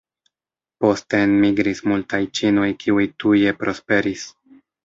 Poste enmigris multaj ĉinoj kiuj tuje prosperis.